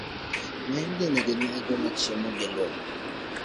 ng'enygi ne gin mana joma ne chiemo gi lum.